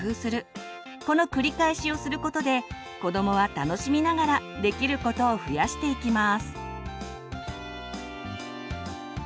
この繰り返しをすることで子どもは楽しみながらできることを増やしていきます。